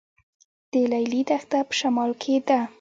د لیلی دښته په شمال کې ده